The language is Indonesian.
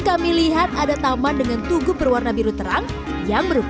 kami lihat ada taman dengan tugu berwarna merah dan ternyata ini adalah tempat yang sangat menarik